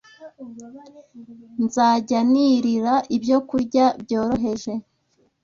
Nzajya nirira ibyokurya byoroheje